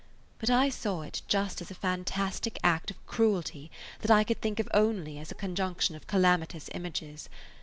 But I saw it just as a fantastic act of cruelty that I could think of only as a conjunction of calamitous images.